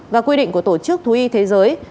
và quy định của tổ chức thú y thế giới